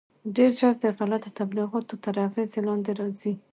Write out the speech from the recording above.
ډېر ژر د غلطو تبلیغاتو تر اغېز لاندې راځي.